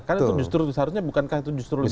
kan itu justru seharusnya bukankah itu justru lebih bagus